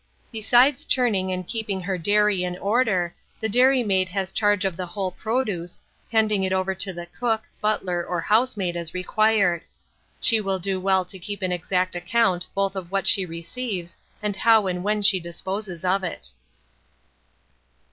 Besides churning and keeping her dairy in order, the dairy maid has charge of the whole produce, handing it over to the cook, butler, or housemaid as required; and she will do well to keep an exact account both of what she receives and how and when she disposes of it.